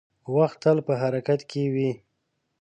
• وخت تل په حرکت کې وي.